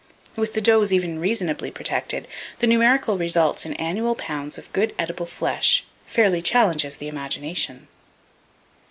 With the does even reasonably protected, the numerical results in annual pounds of good edible flesh fairly challenges the imagination.